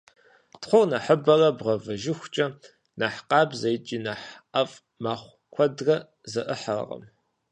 Тхъур нэхъыбэрэ бгъэвэжыхукӏэ, нэхъ къабзэ икӏи нэхъ ӏэфӏ мэхъу, куэдрэ зэӏыхьэркъым.